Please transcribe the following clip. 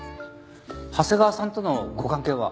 長谷川さんとのご関係は？